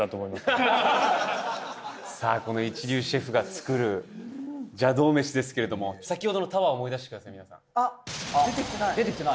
さあこの一流シェフが作る邪道メシですけれども先ほどのタワーを思い出してください皆さんあっ出てきてない！